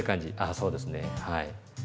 あそうですね。はい。